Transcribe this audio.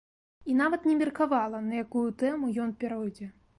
І нават не меркавала, на якую тэму ён пяройдзе.